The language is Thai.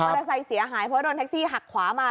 เตอร์ไซค์เสียหายเพราะโดนแท็กซี่หักขวามา